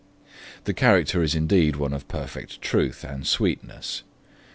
The character is indeed one of perfect truth and sweetness.